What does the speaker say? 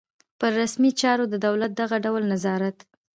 پر رسمي چارو د دولت دغه ډول نظارت.